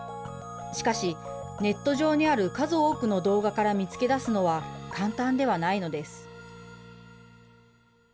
しかし、ネット上にある数多くの動画から見つけ出すのは簡単ではないのです。